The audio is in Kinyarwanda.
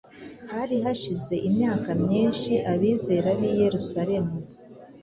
Hari hashize imyaka myinshi abizera b’i Yerusalemu,